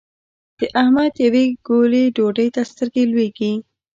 د احمد يوې ګولې ډوډۍ ته سترګې لوېږي.